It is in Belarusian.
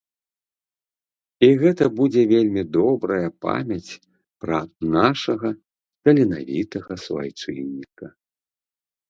І гэта будзе вельмі добрая памяць пра нашага таленавітага суайчынніка.